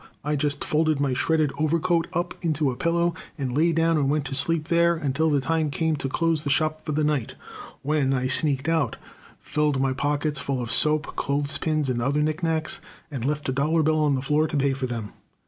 I just folded my shredded overcoat up into a pillow, and lay down and went to sleep there until the time came to close the shop for the night, when I sneaked out, filled my pockets full of soap, clothespins, and other knickknacks, and left a dollar bill on the floor to pay for them.